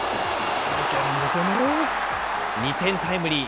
２点タイムリー。